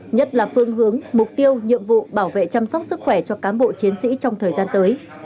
nhất là phương hướng mục tiêu nhiệm vụ bảo vệ chăm sóc sức khỏe cho cán bộ chiến sĩ trong thời gian tới